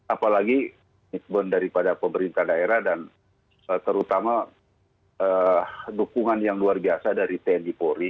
apalagi komitmen daripada pemerintah daerah dan terutama dukungan yang luar biasa dari tni polri